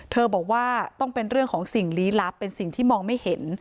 บอกว่าต้องเป็นเรื่องของสิ่งลี้ลับเป็นสิ่งที่มองไม่เห็น